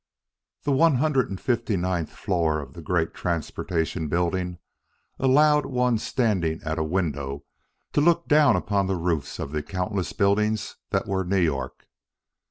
] The one hundred and fifty ninth floor of the great Transportation Building allowed one standing at a window to look down upon the roofs of the countless buildings that were New York.